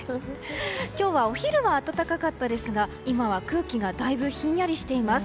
今日はお昼は暖かかったですが今は空気がだいぶひんやりしています。